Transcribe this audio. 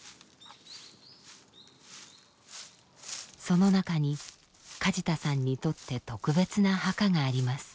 その中に梶田さんにとって特別な墓があります。